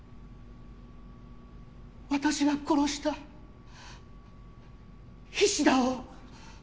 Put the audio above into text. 私が殺した菱田を。